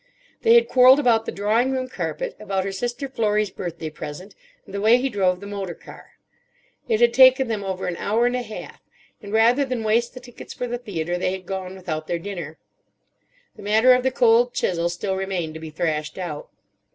They had quarrelled about the drawing room carpet; about her sister Florrie's birthday present; and the way he drove the motor car. It had taken them over an hour and a half, and rather than waste the tickets for the theatre, they had gone without their dinner. The matter of the cold chisel still remained to be thrashed out.